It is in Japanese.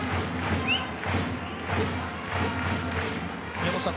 宮本さん